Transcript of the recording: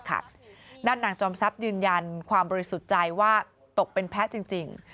นางจอมทรัพย์ยืนยันความบริสุทธิ์ใจว่าตกเป็นแพ้จริง